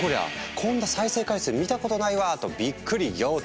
こんな再生回数見たことないわ！」とビックリ仰天！